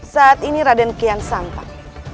saat ini raden kian santai